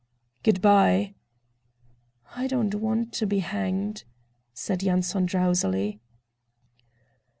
"Good by!" "I don't want to be hanged!" said Yanson drowsily.